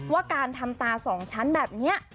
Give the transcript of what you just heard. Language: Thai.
ว่าการทำตาสองชั้นแบบนี้